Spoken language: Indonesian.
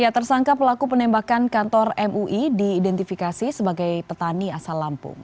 tersangka pelaku penembakan kantor mui diidentifikasi sebagai petani asal lampung